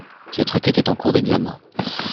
Cette requête est en cours d'examen.